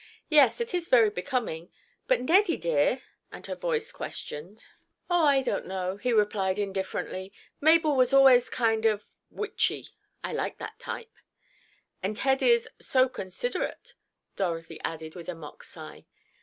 "Yes, it is very becoming. But Neddie, dear?" and her voice questioned. "Oh, I don't know," he replied indifferently. "Mabel was always kind of—witchy. I like that type." "And Ted is—so considerate," Dorothy added with a mock sigh.